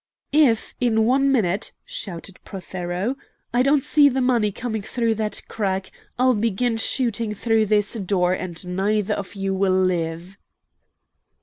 "If, in one minute," shouted Prothero, "I don't see the money coming through that crack, I'll begin shooting through this door, and neither of you will live!"